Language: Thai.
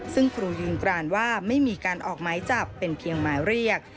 ซึ่งครูยืนกรานว่าไม่มีการออกหมายจับเป็นเพียงหมายเรียก